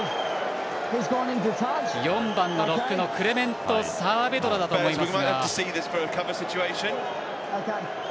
４番のロックのクレメンテ・サアベドラだと思いますが。